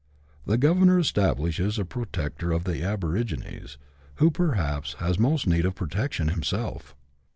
The governor establishes a " protector of the abori gines," who perhaps has most need of protection himself.